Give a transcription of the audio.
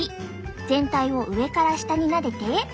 全体を上から下になでて。